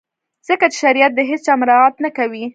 ځکه چي شریعت د هیڅ چا مراعات نه کوي.